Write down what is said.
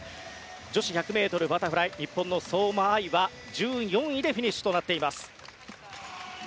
女子１００ｍバタフライ日本の相馬あいは１４位でフィニッシュとなっています。